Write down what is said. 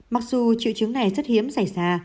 mặc dù triệu chứng này rất hiếm xảy ra